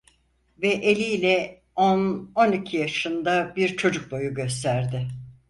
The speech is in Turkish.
Ve eliyle on on iki yaşında bir çocuk boyu gösterdi.